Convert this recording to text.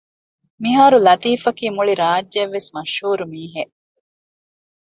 މިހާރު ލަތީފަކީ މުޅި ރާއްޖެއަށްވެސް މަޝްހޫރު މީހެއް